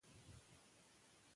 انګریزي لښکر د تېښتې هڅې کولې.